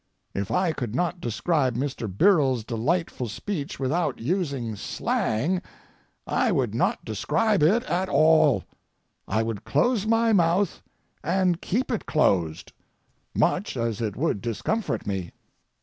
If I could not describe Mr. Birrell's delightful speech without using slang I would not describe it at all. I would close my mouth and keep it closed, much as it would discomfort me.